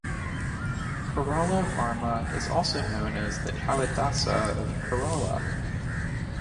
Kerala Varma is also known as the "Kalidasa of Kerala".